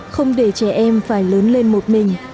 không để trẻ em phải lớn lên một mình